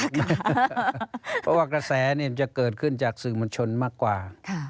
เพราะว่ากระแสจะเกิดขึ้นจากสื่อมวลชนมากกว่า